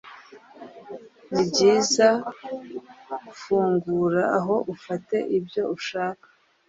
nibyiza, fungura aho ufate ibyo ushaka.